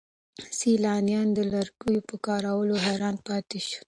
سیلانیان د لرګیو په کارونو حیران پاتې شول.